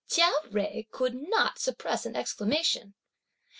Chia Jui could not suppress an exclamation.